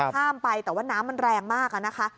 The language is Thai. ข้ามไปแต่ว่าน้ำมันแรงมากอะนะคะ